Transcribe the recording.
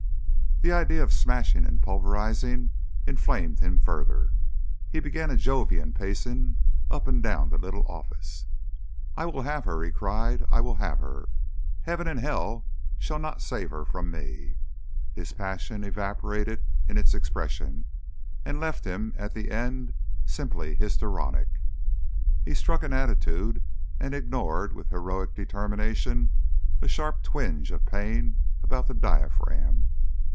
The idea of smashing and pulverising inflamed him further. He began a Jovian pacing up and down the little office. "I will have her," he cried. "I will have her! Heaven and Hell shall not save her from me!" His passion evaporated in its expression, and left him at the end simply histrionic. He struck an attitude and ignored with heroic determination a sharp twinge of pain about the diaphragm.